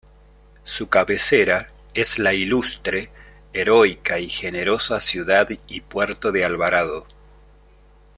Su cabecera es la ""Ilustre, Heroica y Generosa Ciudad y Puerto de Alvarado"".